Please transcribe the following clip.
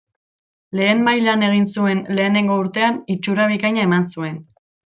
Lehen mailan egin zuen lehenengo urtean itxura bikaina eman zuen.